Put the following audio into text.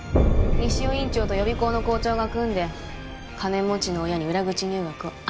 西尾院長と予備校の校長が組んで金持ちの親に裏口入学を斡旋していた。